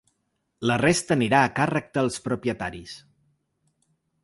La resta anirà a càrrec dels propietaris.